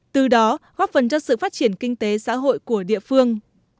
từ đó góp phần cho sự phát triển kinh tế xã hội của địa phương